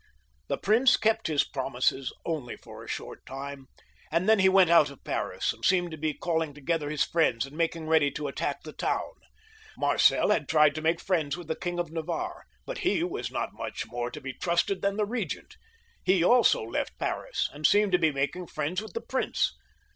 The prince kept his promises only for a short time, and then he went out of Paris, and seemed to be calling to gether his friends, and makiiig ready to attack the town. XXVI.] JOHN {LE BON). 173 Marcel had tried to make friends with the King of Navarre, but he was not much more to be trusted than the regent. He also left Paris, and seemed to.be making friends with the prince.